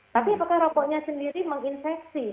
tapi apakah rokoknya sendiri menginfeksi